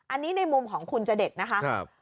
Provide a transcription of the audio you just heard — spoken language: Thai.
อันนี้ในมุมของคุณจเดชนะคะ